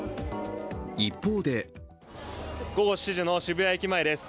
一方で午後７時の渋谷駅前です。